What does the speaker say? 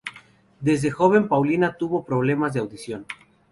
Desde joven Paulina tuvo problemas de audición.